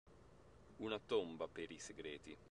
Una tomba per i segreti.